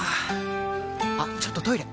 あっちょっとトイレ！